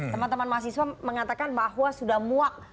teman teman mahasiswa mengatakan bahwa sudah muak